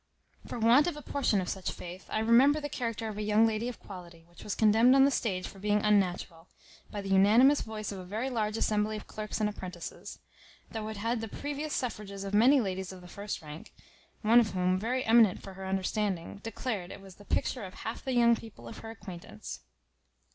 For want of a portion of such faith, I remember the character of a young lady of quality, which was condemned on the stage for being unnatural, by the unanimous voice of a very large assembly of clerks and apprentices; though it had the previous suffrages of many ladies of the first rank; one of whom, very eminent for her understanding, declared it was the picture of half the young people of her acquaintance.